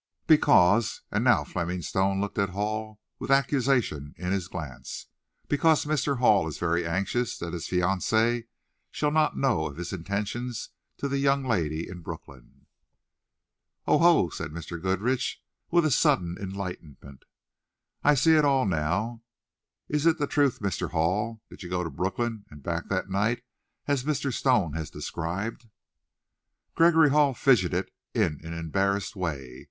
"Because," and now Fleming Stone looked at Hall with accusation in his glance "because Mr. Hall is very anxious that his fiancee shall not know of his attentions to the young lady in Brooklyn." "O ho!" said Mr. Goodrich, with sudden enlightenment. "I see it all now. Is it the truth, Mr. Hall? Did you go to Brooklyn and back that night, as Mr. Stone has described?" Gregory Hall fidgeted in an embarrassed way.